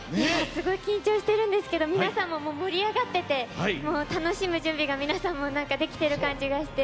すごい緊張しているんですけど皆さんも盛り上がっていて楽しむ準備ができている気がして。